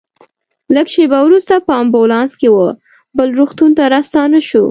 لږ شېبه وروسته په امبولانس کې وه بل روغتون ته راستانه شوو.